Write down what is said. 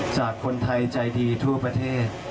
จากคนไทยใจดีทั่วประเทศ